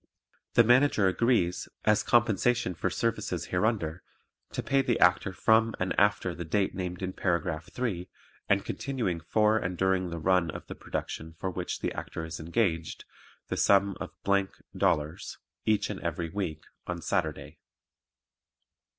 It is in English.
The Manager agrees, as compensation for services hereunder, to pay the Actor from and after the date named in Paragraph 3 and continuing for and during the run of the production for which the Actor is engaged, the sum of Dollars ($) each and every week (on Saturday).